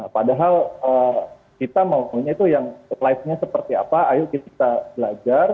padahal kita maunya itu yang live nya seperti apa ayo kita belajar